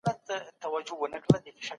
مینشانه